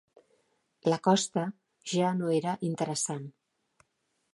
La costa ja no era interessant.